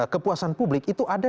kepuasan publik itu ada